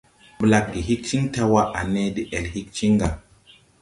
Blagge hig cin taw wa, ane deʼel hig ciŋ ga.